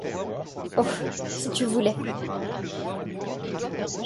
Oh ! si tu voulais !…